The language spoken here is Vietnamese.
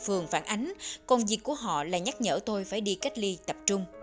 phòng dịch phường phản ánh công việc của họ là nhắc nhở tôi phải đi cách ly tập trung